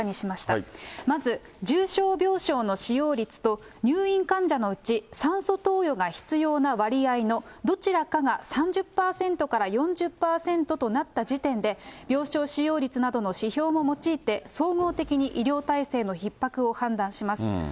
まず重症病床の使用率と、入院患者のうち酸素投与が必要な割合のどちらかが３０％から４０％となった時点で、病床使用率などの指標も用いて、総合的に医療体制のひっ迫を判断します。